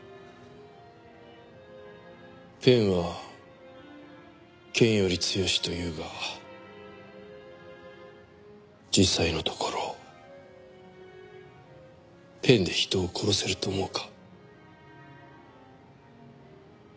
「ペンは剣より強し」というが実際のところペンで人を殺せると思うか？